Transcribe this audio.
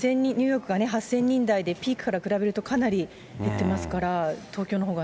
ニューヨークが８０００人台で、ピークから比べるとかなり減ってますから。